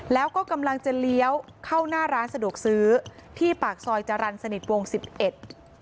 แล้วก็กำลังจะเลี้ยวเข้าหน้าร้านสะดวกซื้อที่ปากซอยจรรย์สนิทวงสิบเอ็ด